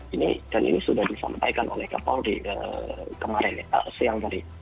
dan ini sudah disampaikan oleh kapolri kemarin siang tadi